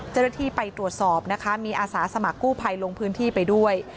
เจ้าหน้าที่ไปตรวจสอบนะคะมีอาสาสมัครกู้ภัยลงพื้นที่ไปด้วย